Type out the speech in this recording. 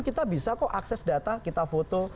kita bisa kok akses data kita foto